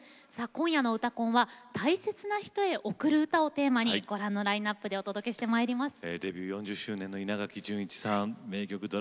今夜の「うたコン」は「大切な人へ贈る歌」をテーマにご覧のラインナップでお届けします。